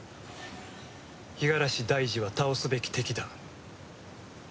五十嵐大二は倒すべき敵だ。